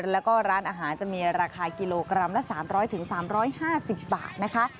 แล้วก็ร้านอาหารจะมีราคากิโลกรัมละ๓๐๐๓๕๐บาทนะคะ